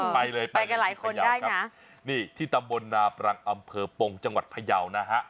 ไปเลยไปกันหลายคนได้นะนี่ที่ตำบลนาปรังอำเภอปงจังหวัดพยาวนะฮะ